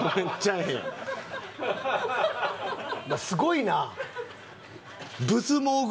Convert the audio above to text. すごいな！